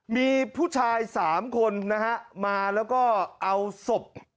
มีผู้ชาย๓คนนะฮะมาแล้วก็เอาศพ